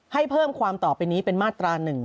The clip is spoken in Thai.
ให้เพิ่มความต่อไปนี้เป็นมาตรา๑